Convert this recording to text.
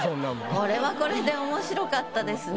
これはこれで面白かったですね。